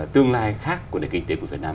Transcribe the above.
tương lai khác của nền kinh tế của việt nam